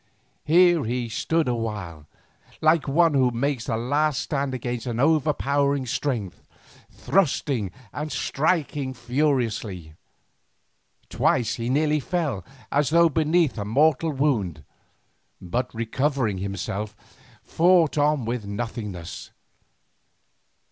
Here he stood a while, like one who makes a last stand against overpowering strength, thrusting and striking furiously. Twice he nearly fell, as though beneath a mortal wound, but recovering himself, fought on with Nothingness.